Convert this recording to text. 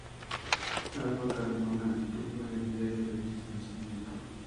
Alba Carmona estuvo en el diario desde su nacimiento.